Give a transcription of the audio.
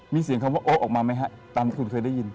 มีเสียงคำว่าโอ๊ะออกมาไหมฮะตามที่คุณเคยได้ยิน